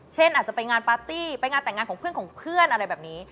เช่นอาจจะไปงานปาร์ตี้ไปงานแต่งงานของเพื่อนของเพื่อนอะไรแบบนี้